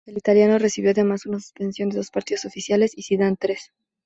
El italiano recibió además una suspensión de dos partidos oficiales y Zidane, tres.